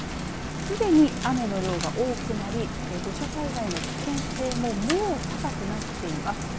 すでに雨の量が多くなり土砂災害の危険性ももう高くなっています。